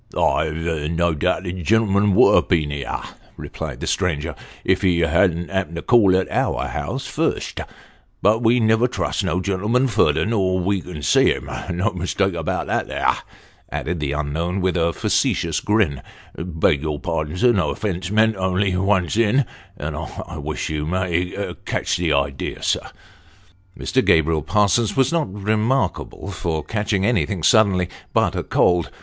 "I've no doubt tho gen'lm'n would ha' been here," replied the stranger, " if he hadn't happened to call at our house first ; but we never trusts no gen'lm'n furder nor wo can see him no mistake about that there " added the unknown, with a facetious grin ;" beg your pardon, sir, no offence meant, only once in, and I wish you may catch the idea, sir ?" Mr. Gabriel Parsons was not remarkable for catching anything z 338 Sketches by Bos. suddenly, but a cold.